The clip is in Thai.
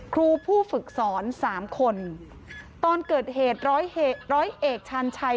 ครูผู้ฝึกสอนสามคนตอนเกิดเหตุร้อยร้อยเอกชาญชัย